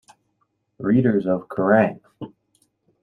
Readers of Kerrang!